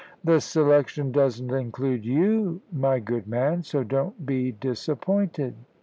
"The selection doesn't include you, my good man, so don't be disappointed."